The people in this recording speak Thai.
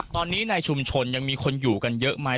ตอนนี้ในชุมชนยังมีคนอยู่กันเยอะไหม